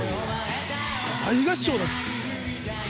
大合唱だ。